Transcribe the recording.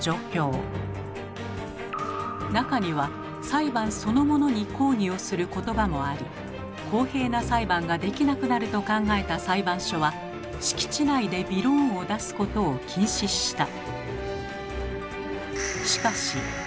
中には裁判そのものに抗議をする言葉もあり公平な裁判ができなくなると考えた裁判所は敷地内でびろーんを出すことを禁止した。